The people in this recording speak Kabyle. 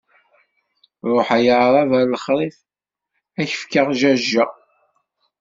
Ṛuḥ ay aɛṛab ar lexṛif, ad k-fkeɣ jajja!